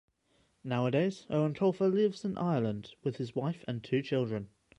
Nowadays, Eoin Colfer lives in Ireland with his wife and two children.